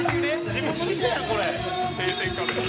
「自分の店やんこれ」「定点カメラ」